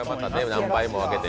何回にも分けて。